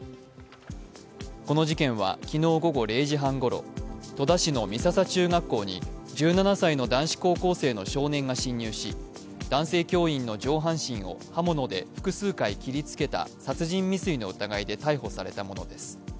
この事件は昨日午後０時半ごろ、戸田市の美笹中学校に１７歳の男子高校生の少年が侵入し、男性教員の上半身を刃物で複数回切りつけた殺人未遂の疑いで逮捕されたものです。